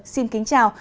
xin kính chào